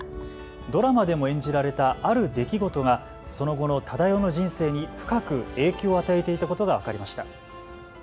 ドラマでも演じられたある出来事がその後の忠世の人生に深く影響を与えていたことが分かりました。